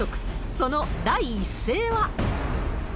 その第一声は。